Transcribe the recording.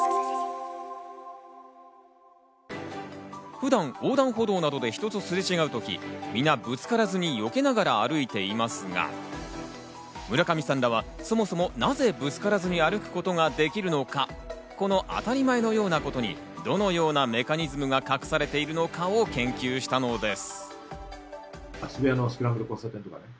普段、横断歩道などで人とすれ違うとき、皆、ぶつからずによけながら歩いていますが、村上さんらは、そもそも、なぜぶつからずに歩くことができるのか、この当たり前のようなことにどのようなメカニズムが隠されているのかを研究したのです。